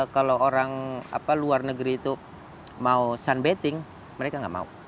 kalau orang luar negeri itu mau sunbatting mereka nggak mau